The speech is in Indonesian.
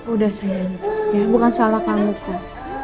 udah sayang ya bukan salah kamu kok